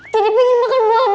jadi pengen makan buah buahan